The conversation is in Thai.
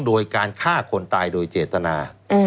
โดยการฆ่าคนตายโดยเจตนา